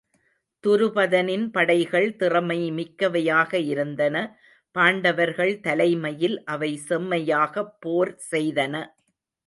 துருபதனின் படைகள் திறமை மிக்கவையாக இருந்தன பாண்டவர்கள் தலைமையில் அவை செம்மை யாகப் போர் செய்தன.